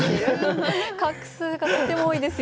画数がとても多いですよね。